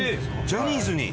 ジャニーズに？